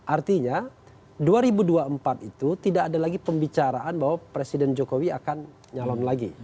artinya dua ribu dua puluh empat itu tidak ada lagi pembicaraan bahwa presiden jokowi akan nyalon lagi